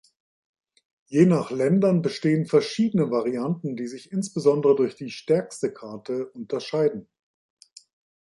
Je nach Länder bestehen verschiedene Varianten, die sich insbesondere durch die stärkste Karte unterscheiden.